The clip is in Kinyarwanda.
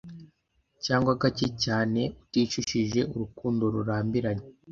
cyangwa gake cyane uticujije urukundo rurambiranye